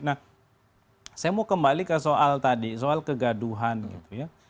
nah saya mau kembali ke soal tadi soal kegaduhan gitu ya